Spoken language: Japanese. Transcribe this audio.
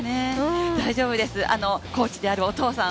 大丈夫ですコーチであるお父さん